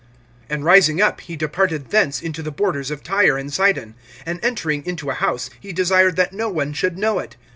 (24)And rising up he departed thence into the borders of Tyre and Sidon; and entering into a house, he desired that no one should know it.